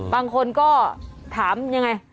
บางคนก็ถามยังไง